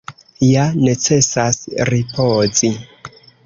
Ja necesas ripozi.